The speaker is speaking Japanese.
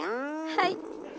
はい。